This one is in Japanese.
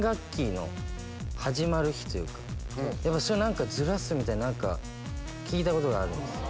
それずらすみたいな何か聞いたことがあるんですよ。